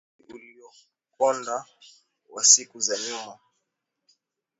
Uwazi uliokonda wa siku za nyuma